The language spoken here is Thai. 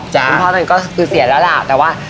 คุณพ่อมันก็คือเสียแล้วล่ะแต่ว่า